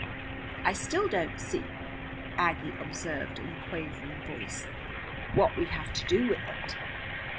"I still don't see," Aggie observed in a quavering voice, "what we have to do with it."